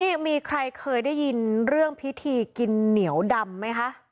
นี่มีใครเคยได้ยินเรื่องพิธีกินเหนียวดำไหมคะ